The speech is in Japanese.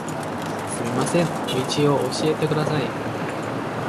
すみません、道を教えてください。